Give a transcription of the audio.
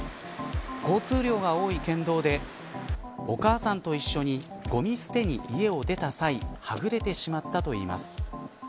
交通量が多い県道でお母さんと一緒にごみ捨てに家を出た際はぐれてしまったといいます。